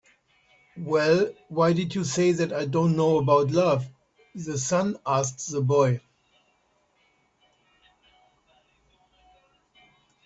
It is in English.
"Well, why did you say that I don't know about love?" the sun asked the boy.